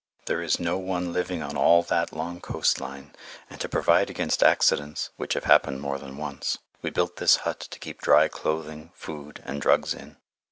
There is no one living on all that long coast line, and to provide against accidents which have happened more than once we built this hut to keep dry clothing, food, and drugs in.